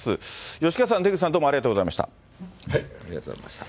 吉川さん、出口さん、どうもありありがとうございました。